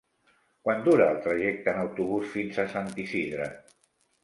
Quant dura el trajecte en autobús fins a Sant Isidre?